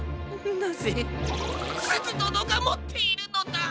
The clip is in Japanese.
なぜすずどのがもっているのだ！？